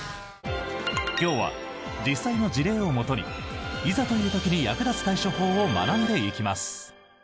今日は実際の事例をもとにいざという時に役立つ対処法を学んでいきます。